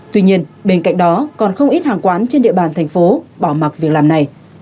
tuy nhiên bên cạnh đó còn không ít hàng quán trên địa bàn thành phố bỏ mặt việc làm này